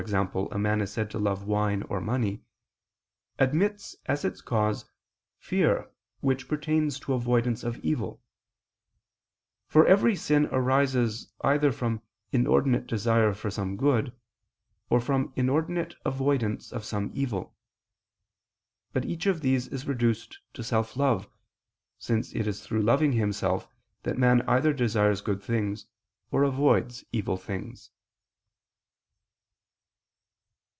a man is said to love wine or money) admits, as its cause, fear which pertains to avoidance of evil: for every sin arises either from inordinate desire for some good, or from inordinate avoidance of some evil. But each of these is reduced to self love, since it is through loving himself that man either desires good things, or avoids evil things.